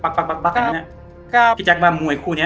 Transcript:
ปั๊บปั๊บปั๊บปั๊บอย่างเงี้ยครับพี่แจ็คว่ามวยคู่เนี้ย